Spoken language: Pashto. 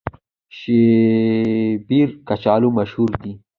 شیبر کچالو مشهور دي؟